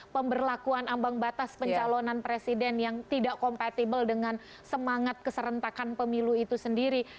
pemberlakuan ambang batas pencalonan presiden yang tidak kompatibel dengan semangat keserentakan pemilu itu sendiri